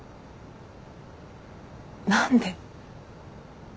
何で？